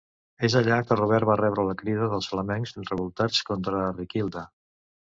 És allà que Robert va rebre la crida dels flamencs revoltats contra Riquilda.